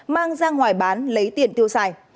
mang ra ngoài bán lấy tiền tiêu xài